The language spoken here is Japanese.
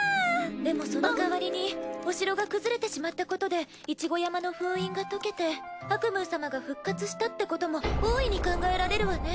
でもその代わりにお城が崩れてしまったことで一五山の封印が解けてアクムー様が復活したってことも大いに考えられるわね。